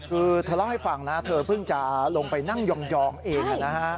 คือเธอเล่าให้ฟังนะเธอเพิ่งจะลงไปนั่งยองเอง